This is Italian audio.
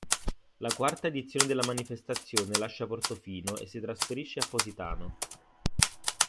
La quarta edizione della manifestazione lascia Portofino e si trasferisce a Positano.